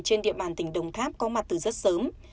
trên địa bàn tỉnh đồng tháp có mặt từ rất sớm